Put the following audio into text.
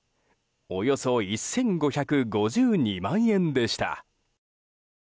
およそ１５５２万円でした。